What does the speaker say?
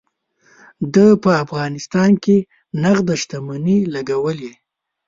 ده په افغانستان کې نغده شتمني لګولې.